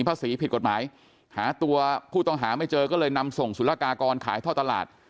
ภาษีผิดกฎหมายหาตัวผู้ต้องหาไม่เจอก็เลยนำส่งสุรกากรขายท่อตลาด